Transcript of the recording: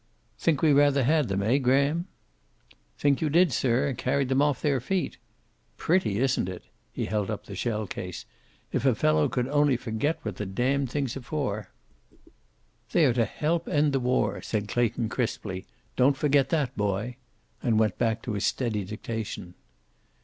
"Think we rather had them, eh, Graham?" "Think you did, sir. Carried them off their feet. Pretty, isn't it?" He held up the shell case. "If a fellow could only forget what the damned things are for!" "They are to help to end the war," said Clayton, crisply. "Don't forget that, boy." And went back to his steady dictation.